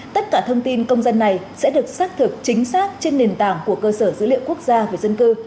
tất cả thông tin công dân này sẽ được xác thực chính xác trên nền tảng của cơ sở dữ liệu quốc gia về dân cư